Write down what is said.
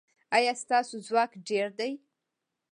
ایا ستاسو ځواک ډیر دی؟